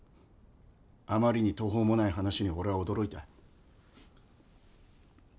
あまりに途方もない話に俺は驚いた。